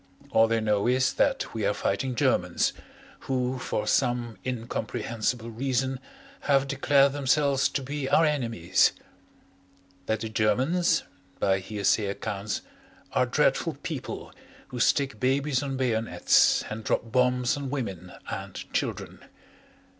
All they know is that we are fighting Germans, who for some incomprehensible reason have declared themselves to be our enemies; that the Germans, by hearsay accounts, are dreadful people who stick babies on bayonets and drop bombs on women and children.